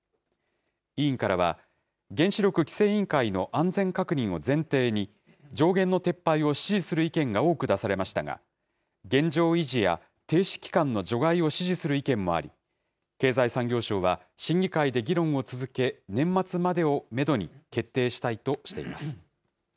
委員からは、原子力規制委員会の安全確認を前提に、上限の撤廃を支持する意見が多く出されましたが、現状維持や停止期間の除外を支持する意見もあり、経済産業省は審議会で議論を続け、年末までをメドに、決定したいとしています。